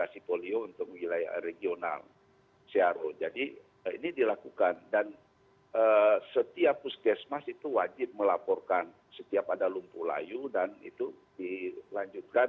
sejak kita mendapatkan